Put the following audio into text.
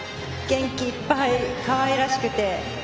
元気いっぱいかわいらしくて。